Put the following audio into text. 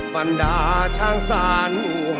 มันด่าช่างสาย